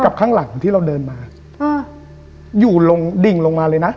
ข้างหลังที่เราเดินมาอ่าอยู่ลงดิ่งลงมาเลยนะ